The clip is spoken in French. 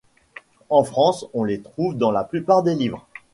En France on les trouve dans la plupart des livres.